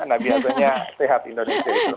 nah biasanya sehat indonesia semoga semoga itu